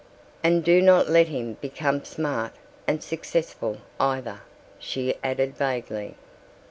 "And do not let him become smart and successful either," she added vaguely.